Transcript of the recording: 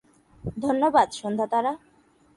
ধন্যবাদ, সন্ধ্যা তারা।